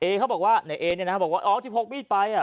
เขาบอกว่านายเอเนี่ยนะบอกว่าอ๋อที่พกมีดไปอ่ะ